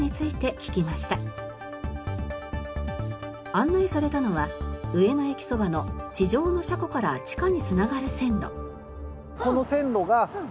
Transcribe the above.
案内されたのは上野駅そばの地上の車庫から地下に繋がる線路。